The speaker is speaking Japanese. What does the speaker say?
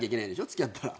付き合ったら。